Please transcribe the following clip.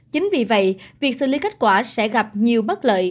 chính vì vậy việc xử lý kết quả sẽ gặp nhiều bất lợi